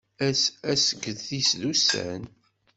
Ass asget-is d ussan.